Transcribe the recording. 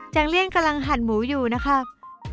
เลี่ยงกำลังหั่นหมูอยู่นะครับ